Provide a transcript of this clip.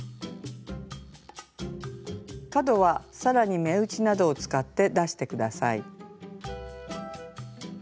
角は更に目打ちなどを使って出して下さい。